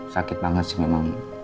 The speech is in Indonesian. sakit banget sih memang